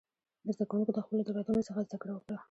زده کوونکو د خپلو تېروتنو څخه زده کړه وکړه.